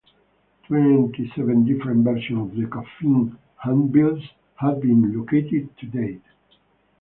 Twenty-seven different versions of the Coffin Handbills have been located to date.